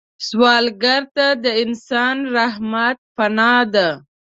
سوالګر ته د انسان رحمت پناه ده